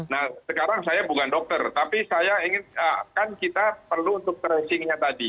nah sekarang saya bukan dokter tapi saya ingin kan kita perlu untuk tracingnya tadi